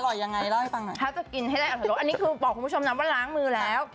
อร่อยยังไงเล่าให้พางหน่อย